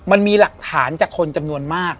มันมีหลักฐานจากคนจำนวนมาก